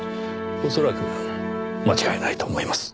恐らく間違いないと思います。